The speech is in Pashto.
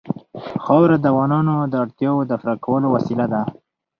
خاوره د افغانانو د اړتیاوو د پوره کولو وسیله ده.